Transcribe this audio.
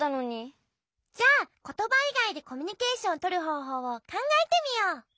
じゃあことばいがいでコミュニケーションをとるほうほうをかんがえてみよう！